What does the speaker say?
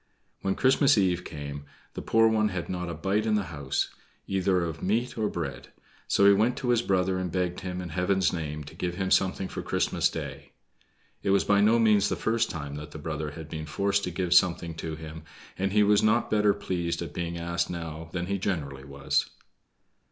When Christmas eve came the poor one had not a bite in the house, either of meat or bread; so he went to his brother and begged him, in Heaven's name, to give him something for Christmas Day. It was by no means the first time that the brother had been forced to give something to him, and he was not better pleased at being asked now than he generally was.